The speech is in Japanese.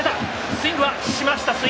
スイングしました。